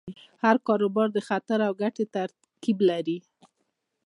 هر کاروبار د خطر او ګټې ترکیب لري.